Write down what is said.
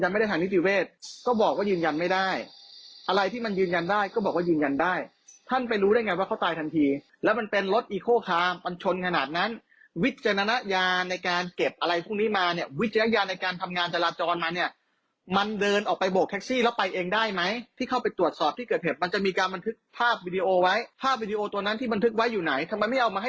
ความคิดเห็นในมุมของทนบอกว่าการแสดงความคิดเห็นในมุมของทนบอกว่าการแสดงความคิดเห็นในมุมของทนบอกว่าการแสดงความคิดเห็นในมุมของทนบอกว่าการแสดงความคิดเห็นในมุมของทนบอกว่าการแสดงความคิดเห็นในมุมของทนบอกว่าการแสดงความคิดเห็นในมุมของทนบอกว่าการแสดงความค